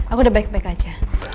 aku udah baik baik aja